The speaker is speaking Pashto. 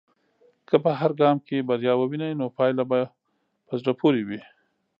که په هر ګام کې بریا ووینې، نو پايله به په زړه پورې وي.